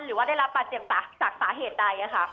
หรือว่าได้รับประเจมส์จากสาเหตุใด